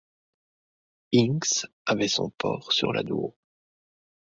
Hinx avait son port sur l'Adour.